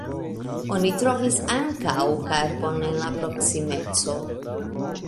Oni trovis ankaŭ karbon en la proksimeco.